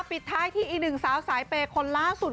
ปิดท้ายที่อีกหนึ่งสาวสายเปย์คนล่าสุด